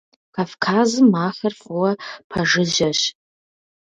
Кавказым ахэр фӏыуэ пэжыжьэщ.